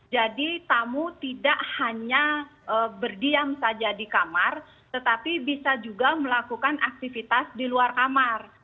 jadi tamu tidak hanya berdiam saja di kamar tetapi bisa juga melakukan aktivitas di luar kamar